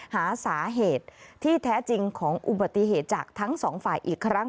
หาสาเหตุที่แท้จริงของอุบัติเหตุจากทั้งสองฝ่ายอีกครั้ง